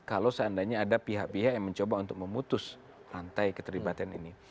kalau seandainya ada pihak pihak yang mencoba untuk memutus rantai keterlibatan ini